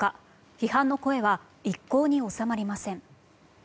批判の声は一向に収まりません。